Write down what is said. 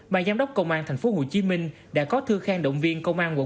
bà giám đốc công an tp hcm đã có thư khen động viên